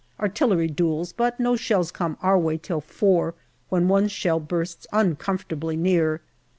Artillery duels, but no shells come our way till four, when one shell bursts uncomfortably near.